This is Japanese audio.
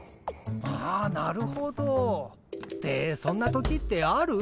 あなるほど。ってそんな時ってある？